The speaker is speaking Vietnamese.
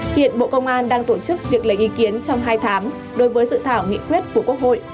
hiện bộ công an đang tổ chức việc lấy ý kiến trong hai tháng đối với dự thảo nghị quyết của quốc hội